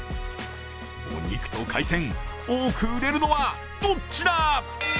お肉と海鮮、多く売れるのはどっちだ？